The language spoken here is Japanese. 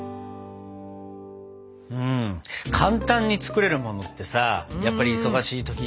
簡単に作れるものってさやっぱり忙しい時いいですよね。